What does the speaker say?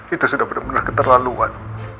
itu sudah bener bener keterlaluan